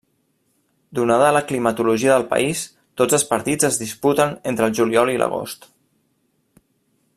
Donada la climatologia del país, tots els partits es disputen entre el juliol i l'agost.